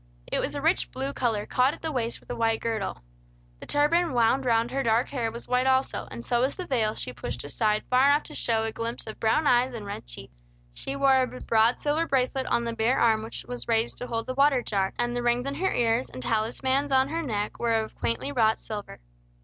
It was a rich blue color, caught at the waist with a white girdle. The turban wound around her dark hair was white also, and so was the veil she pushed aside far enough to show a glimpse of brown eyes and red cheeks. She wore a broad silver bracelet on the bare arm which was raised to hold the water jar, and the rings in her ears and talismans on her neck were of quaintly wrought silver.